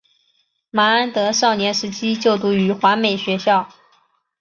麻安德少年时期就读于华美学校。